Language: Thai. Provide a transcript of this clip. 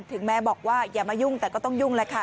ถึงแม้บอกว่าอย่ามายุ่งแต่ก็ต้องยุ่งแล้วค่ะ